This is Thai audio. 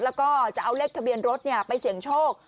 แล้วก็จะเอาเลขทะเบียนรถไปเสี่ยงโชค